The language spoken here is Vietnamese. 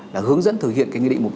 là hướng dẫn thực hiện